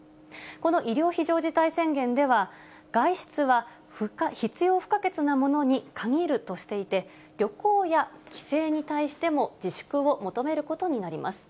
この医療非常事態宣言では、外出は必要不可欠なものに限るとしていて、旅行や帰省に対しても自粛を求めることになります。